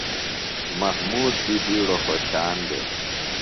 محمود بی ِبیڈوۡ خوۡشان دےۡ۔